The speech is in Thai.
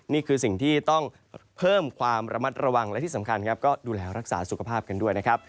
นี่คือสิ่งที่ต้องเพิ่มความระมัดระวังและที่สำคัญครับก็ดูแลรักษาสุขภาพกันด้วยนะครับ